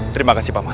terima kasih paman